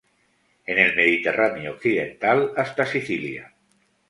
En el Mediterráneo occidental, hasta Sicilia.